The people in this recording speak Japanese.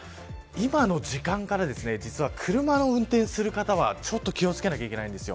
今の時間から実は車の運転する方はちょっと気を付けなきゃいけないんです。